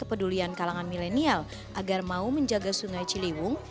kepedulian kalangan milenial agar mau menjaga sungai ciliwung